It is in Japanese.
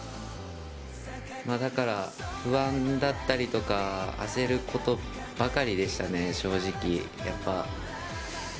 だから、不安だったりとか焦ることばかりでしたね正直。